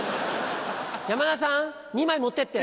山田さん２枚持ってって。